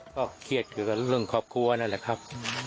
ก็เครียดเกี่ยวกับเรื่องครอบครัวนั่นแหละครับ